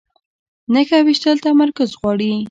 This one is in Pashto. نښه ویشتل تمرکز غواړي